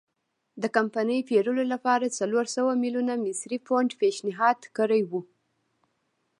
د کمپنۍ پېرلو لپاره څلور سوه میلیونه مصري پونډ پېشنهاد کړي وو.